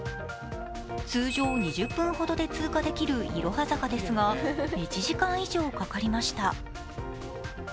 通常２０分ほどで通過できるいろは坂ですが１時間以上かかりました。